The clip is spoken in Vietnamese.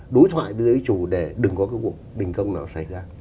đối thoại với dưới chủ để đừng có cái cuộc đình công nào xảy ra